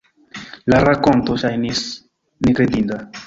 La rakonto ŝajnis nekredinda.